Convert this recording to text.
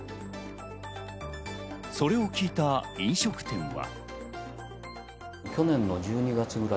それを聞いた飲食店は。